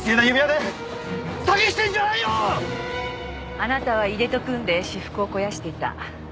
あなたは井出と組んで私腹を肥やしていた。